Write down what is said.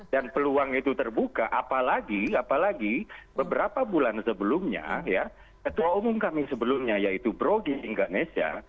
dan peluang itu terbuka apalagi beberapa bulan sebelumnya ketua umum kami sebelumnya yaitu brogy indonesia